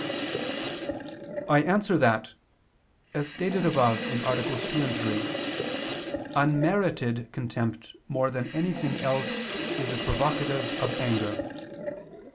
I answer that, As stated above (AA. 2, 3) unmerited contempt more than anything else is a provocative of anger.